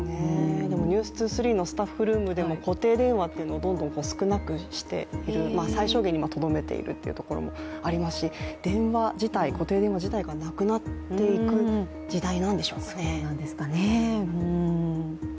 「ｎｅｗｓ２３」のスタッフルームでも固定電話というのをどんどん少なくしている、最小限にはとどめているっていうところもありますし、電話自体、固定電話自体もなくなっていく時代なんでしょうね。